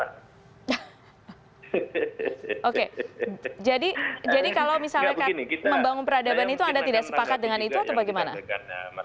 oke jadi kalau misalnya membangun peradaban itu anda tidak sepakat dengan itu atau bagaimana